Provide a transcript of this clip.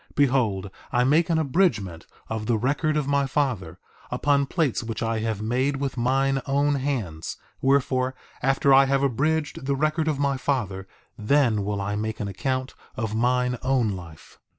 Behold, I make an abridgment of the record of my father, upon plates which I have made with mine own hands; wherefore, after I have abridged the record of my father then will I make an account of mine own life.